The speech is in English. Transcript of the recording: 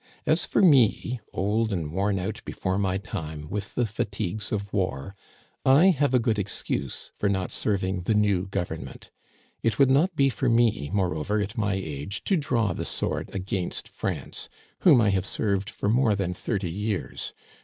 As for me, old and worn out before my time with the fatigues of war, I have a good excuse for not serving the new government. It would not be for me, moreover, at my age, to draw the sword against France, whom I have served for more than thirty years.